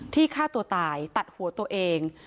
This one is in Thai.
ฆ่าตัวตายตัดหัวตัวเอง